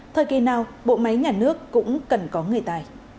thời kỳ nào bộ máy nhà nước cũng cần có người tài